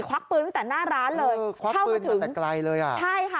ควักปืนตั้งแต่หน้าร้านเลยควักปืนเธอแต่ไกลเลยอ่ะใช่ค่ะ